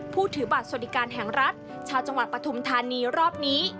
ถือบัตรสวัสดิการแห่งรัฐชาวจังหวัดปฐุมธานีรอบนี้